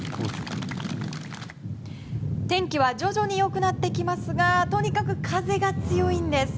天気は徐々に良くなってきますがとにかく風が強いんです。